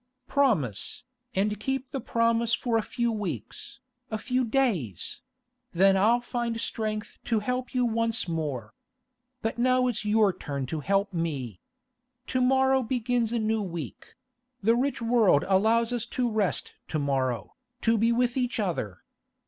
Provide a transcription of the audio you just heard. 'Promise, and keep the promise for a few weeks, a few days; then I'll find strength to help you once more. But now it's your turn to help me. To morrow begins a new week; the rich world allows us to rest to morrow, to be with each other.